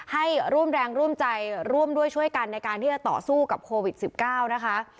ให้ร่วมแรงร่วมใจร่วมด้วยช่วยกันในการที่จะต่อสู้กับโควิด๑๙นะคะ